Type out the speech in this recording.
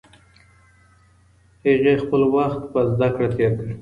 هغې خپل وخت په زده کړه تېر کړ.